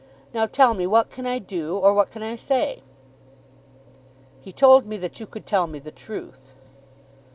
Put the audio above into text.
Now tell me; what can I do, or what can I say?" "He told me that you could tell me the truth."